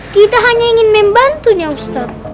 kita hanya ingin membantunya ustadz